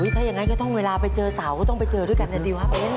ถ้าอย่างนั้นก็ต้องเวลาไปเจอสาว